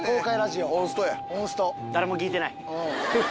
誰も聞いてない。